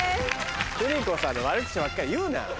邦子さんの悪口ばっかり言うな！